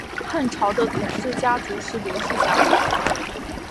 汉朝的统治家族是刘氏家族。